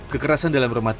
kekerasan dalam rumah tangga